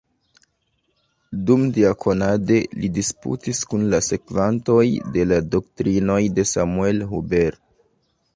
Dumdiakonade li disputis kun la sekvantoj de la doktrinoj de Samuel Huber.